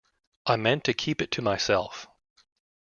I meant to keep it to myself.